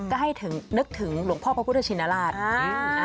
ก็ให้นึกถึงหลวงพ่อพระพุทธชินราช